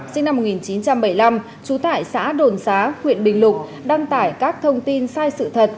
sinh năm một nghìn chín trăm bảy mươi năm trú tại xã đồn xá huyện bình lục đăng tải các thông tin sai sự thật